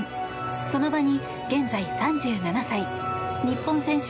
その場に現在３７歳日本選手